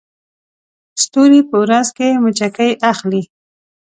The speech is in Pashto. ستوري په ورځ کې مچکې اخلي